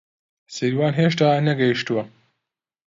سیروان هێشتا نەگەیشتووە.